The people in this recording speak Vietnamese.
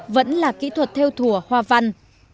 vẫn là kỹ thuật theo thùa hoa văn